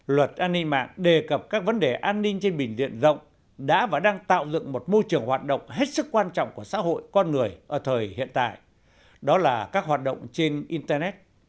luật an ninh mạng đề cập các vấn đề an ninh trên bình điện rộng đã và đang tạo dựng một môi trường hoạt động hết sức quan trọng của xã hội con người ở thời hiện tại đó là các hoạt động trên internet